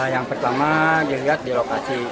yang pertama dilihat di lokasi